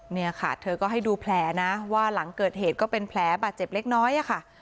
เนี่ยค่ะเธอก็ให้ดูแผลนะว่าหลังเกิดเหตุก็เป็นแผลบาดเจ็บเล็กน้อยค่ะ